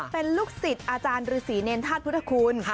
เป็นลูกศิษย์อาจารย์ฤษีเนรธาตุพุทธคุณ